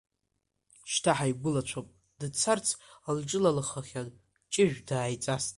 Шьҭа ҳаигәылацәоуп, дцарц лҿыналхахьан, Ҷыжә дааиҵаст.